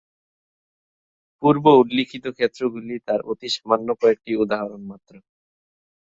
পূর্ব উল্লিখিত ক্ষেত্রগুলি তার অতি সামান্য কয়েকটি উদাহরণ মাত্র।